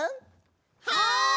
はい！